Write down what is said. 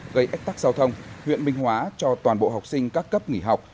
gây ách tắc giao thông huyện minh hóa cho toàn bộ học sinh các cấp nghỉ học